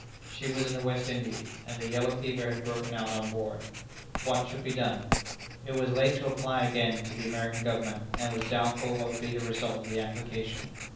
She was in the West Indies, and the yellow fever had broken out on board. What should be done? It was late to apply again to the American Government, and it was doubtful what would be the result of the application.